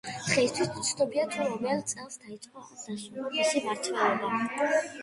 დღეისთვის უცნობია თუ რომელ წელს დაიწყო ან დასრულდა მისი მმართველობა.